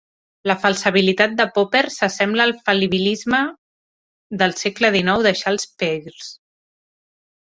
La falsabilitat de Popper s'assembla al fal·libilisme del segle XIX de Charles Peirce.